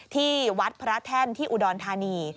ที่วัดพระแท่นที่อุดรธานี